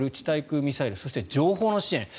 対空ミサイルそして情報の支援